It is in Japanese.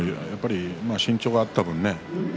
身長があった分にね。